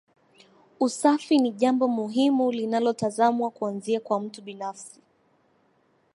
Usafi ni jambo muhimu linalotazamwa kuanzia kwa mtu binafsi